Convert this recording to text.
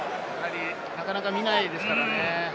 なかなか見ないですからね。